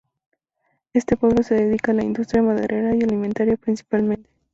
Este pueblo se dedica a la industria maderera y la alimentaria, principalmente.